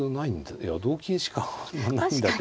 いや同金しかないんだけど。